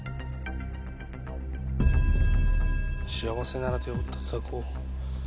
幸せなら手をたたこう